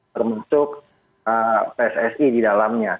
termentuk pssi di dalamnya